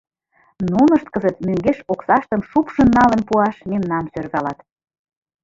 Нунышт кызыт мӧҥгеш оксаштым шупшын налын пуаш мемнам сӧрвалат.